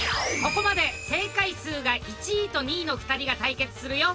ここまで正解数が１位と２位の２人が対決するよ！